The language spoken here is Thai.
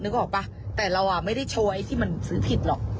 ออกป่ะแต่เราอ่ะไม่ได้โชว์ไอ้ที่มันซื้อผิดหรอก